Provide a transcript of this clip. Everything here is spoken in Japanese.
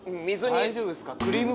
大丈夫ですか？